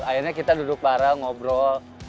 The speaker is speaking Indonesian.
akhirnya kita duduk bareng ngobrol